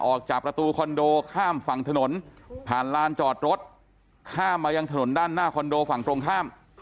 ออกจากประตูคอนโดข้ามฝั่งถนนผ่านลานจอดรถข้ามมายังถนนด้านหน้าคอนโดฝั่งตรงข้าม